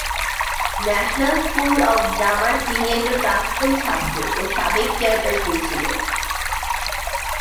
National school of ড্রামার তিনি একজন প্রাক্তন ছাত্র ও সাবেক চেয়ারপার্সন ছিলেন।